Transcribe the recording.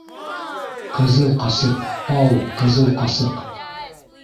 Ҡызыл ҡасыҡ, ау, кызыл ҡасыҡ